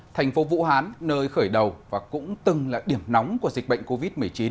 thành phố vũ hán nơi khởi đầu và cũng từng là điểm nóng của dịch bệnh covid một mươi chín